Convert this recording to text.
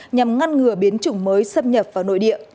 nhằm ngăn ngừa biến chủng mới xâm nhập vào nội địa